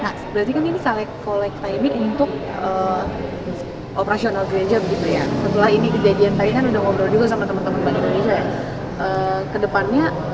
nah berarti kan ini collect timing untuk operasional gereja begitu ya